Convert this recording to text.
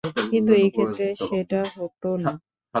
কিন্তু এইক্ষেত্রে সেটা হতো না।